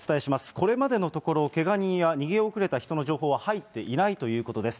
これまでのところ、けが人や逃げ遅れた人の情報は入っていないということです。